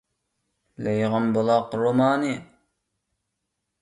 «لېيىغان بۇلاق» رومانى.